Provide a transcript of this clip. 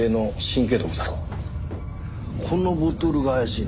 このボトルが怪しいな。